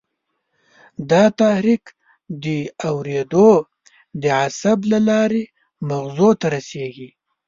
دا تحریک د اورېدو د عصب له لارې مغزو ته رسېږي.